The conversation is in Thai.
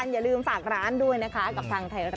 เสร็จ